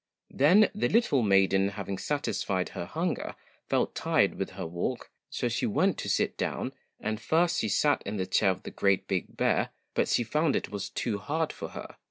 Then the little maiden, having satisfied her hunger, felt tired with her walk, so she went to sit down, and first she sat in the cljair. of the GREAT BIG BEAR, but she found it was too hard for her.